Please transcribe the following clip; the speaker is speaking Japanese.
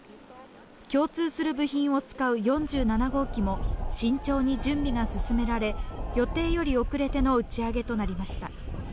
共通する部品を使う４７号機も慎重に準備が進められ、予定より遅れての打ち上げとなりました。